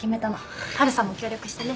ハルさんも協力してね。